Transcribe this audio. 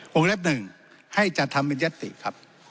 วงเล็บ๑ให้จัดทำเป็นยัตติครับ